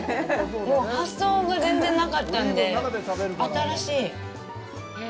発想が全然なかったんで、新しい。